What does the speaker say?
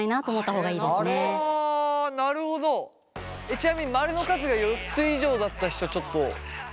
ちなみに○の数が４つ以上だった人ちょっとどうですか。